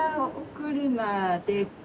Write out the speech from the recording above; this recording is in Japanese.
車で？